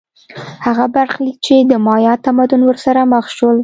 هغه برخلیک چې د مایا تمدن ورسره مخ شول